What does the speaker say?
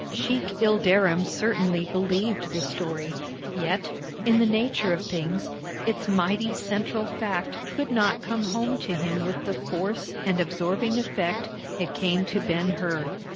Sheik Ilderim certainly believed the story; yet, in the nature of things, its mighty central fact could not come home to him with the force and absorbing effect it came to Ben Hur.